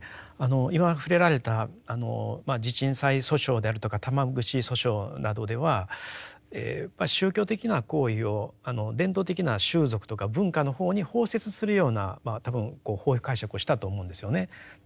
今触れられた地鎮祭訴訟であるとか玉串訴訟などではやっぱり宗教的な行為を伝統的な習俗とか文化の方に包摂するような多分法解釈をしたと思うんですよね。